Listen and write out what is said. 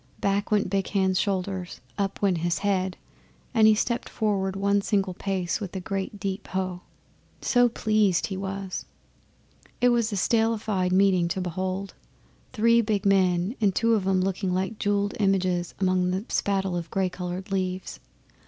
Back went Big Hand's shoulders, up went his head, and he stepped forward one single pace with a great deep Hough! so pleased he was. That was a statelified meeting to behold three big men, and two of 'em looking like jewelled images among the spattle of gay coloured leaves.